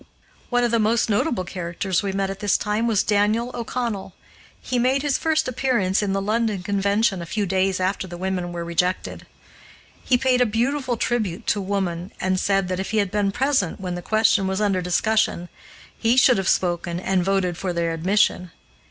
One of the most notable characters we met at this time was Daniel O'Connell. He made his first appearance in the London convention a few days after the women were rejected. He paid a beautiful tribute to woman and said that, if he had been present when the question was under discussion, he should have spoken and voted for their admission.